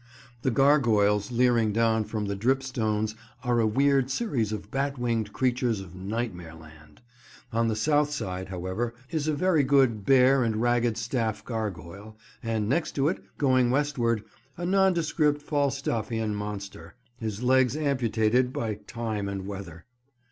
The gargoyles leering down from the dripstones are a weird series of bat winged creatures of nightmare land. On the south side, however, is a very good Bear and Ragged Staff gargoyle, and next it, going westward, a nondescript Falstaffian monster, his legs amputated by time and weather.